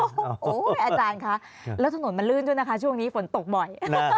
โอ้โหอาจารย์คะแล้วถนนมันลื่นด้วยนะคะช่วงนี้ฝนตกบ่อย